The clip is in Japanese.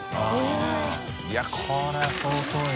いこれは相当よ。